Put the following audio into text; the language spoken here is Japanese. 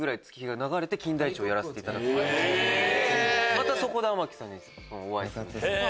またそこで天樹さんにお会いして。